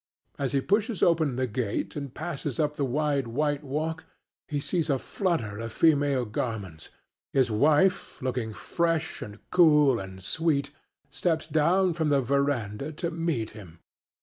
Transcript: As he pushes open the gate and passes up the wide white walk, he sees a flutter of female garments; his wife, looking fresh and cool and sweet, steps down from the veranda to meet him.